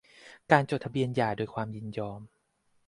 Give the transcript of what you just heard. การจดทะเบียนหย่าโดยความยินยอม